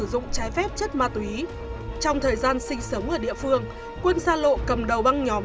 sử dụng trái phép chất ma túy trong thời gian sinh sống ở địa phương quân xa lộ cầm đầu băng nhóm